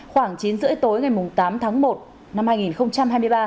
khoảng chín h ba mươi tối ngày tám tháng một năm hai nghìn hai mươi ba